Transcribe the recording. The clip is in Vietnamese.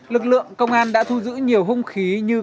lực lượng công an đã thu giữ nhiều hung khí như